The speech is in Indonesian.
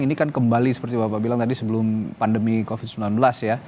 ini kan kembali seperti bapak bilang tadi sebelum pandemi covid sembilan belas ya